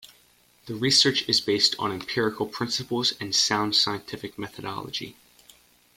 The research is based on empirical principles and sound scientific methodology.